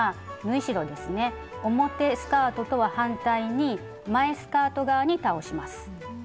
表スカートとは反対に前スカート側に倒します。